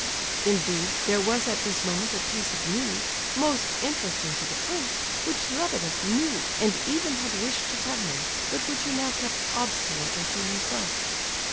Indeed, there was at this moment a piece of news, most interesting to the prince, which Lebedeff knew and even had wished to tell him, but which he now kept obstinately to himself.